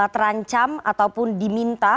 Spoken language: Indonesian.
terancam ataupun diminta